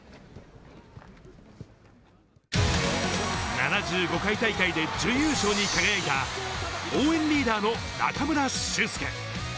７５回大会で準優勝に輝いた、応援リーダーの中村俊輔。